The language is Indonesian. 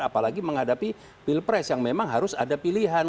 apalagi menghadapi pilpres yang memang harus ada pilihan